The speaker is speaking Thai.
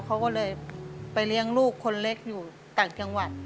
เขาก็เลยไปเลี้ยงลูกคนเล็กอยู่ต่างจังหวัด